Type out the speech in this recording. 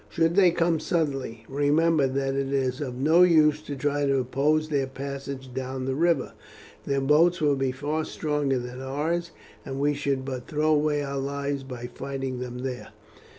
Should they come suddenly, remember that it is of no use to try to oppose their passage down the river. Their boats will be far stronger than ours, and we should but throw away our lives by fighting them there.